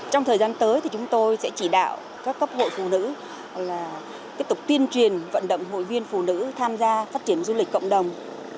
trong thời gian tới thì chúng tôi sẽ chỉ đạo các cấp hội phụ nữ là tiếp tục tiên truyền vận động hội viên phụ nữ tham gia phát triển du lịch cộng đồng